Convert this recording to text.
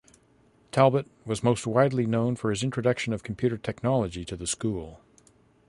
Talbot was most widely known for his introduction of computer technology to the school.